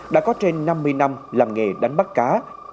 đã có trên năm mươi năm làm nghề đánh bắt cá